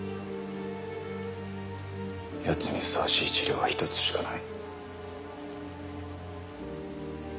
やつにふさわしい治療は一つしかない。